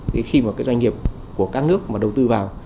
thì khi mà cái doanh nghiệp của các nước mà đầu tư vào